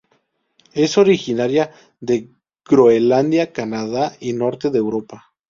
Es originaria de Groenlandia, Canadá y Norte de Europa.